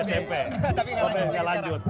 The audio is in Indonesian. tapi gak lanjut lanjut